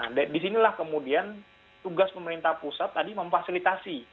nah disinilah kemudian tugas pemerintah pusat tadi memfasilitasi